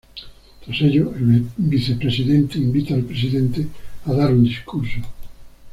Tras ello, el vicepresidente invita al presidente a dar un discurso.